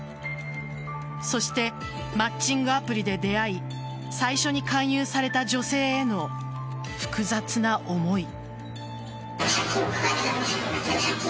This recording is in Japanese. そしてマッチングアプリで出会い最初に勧誘された女性への複雑な思い。